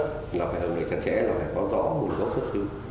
hợp đồng chặt chẽ là phải có rõ nguồn gốc xuất xư